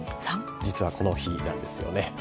実は、この日なんですよね。